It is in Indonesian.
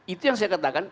itu yang saya katakan